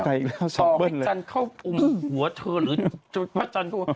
ต่อให้จันทร์เข้าหัวเธอหรือจันทร์เข้าหัวเธอ